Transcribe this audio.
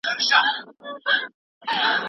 له بامي بلخه راپاڅه، د نوروز د سهار باده